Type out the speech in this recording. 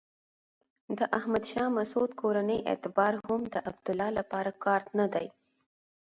د احمد شاه مسعود کورنۍ اعتبار هم د عبدالله لپاره کارت نه دی.